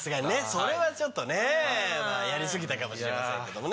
それはちょっとねやり過ぎたかもしれませんけどもね。